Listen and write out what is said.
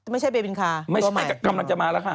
ไม่ใช่เบบินคาไม่ใช่กำลังจะมาแล้วค่ะ